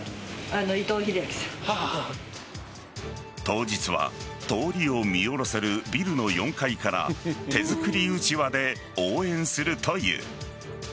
当日は通りを見下ろせるビルの４階から手作りうちわで応援するという。